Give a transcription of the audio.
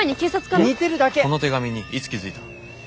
この手紙にいつ気付いた？